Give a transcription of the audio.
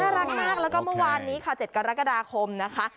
รักมากแล้วก็เมื่อวานนี้ค่ะ๗กรกฎาคมนะคะ